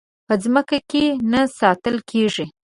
په ځمکه کې نه ساتل کېږي.